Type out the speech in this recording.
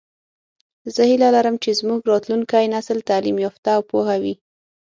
زه هیله لرم چې زمونږ راتلونکی نسل تعلیم یافته او پوهه وي